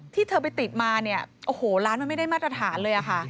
เธอไปติดมาเนี่ยโอ้โหร้านมันไม่ได้มาตรฐานเลยค่ะ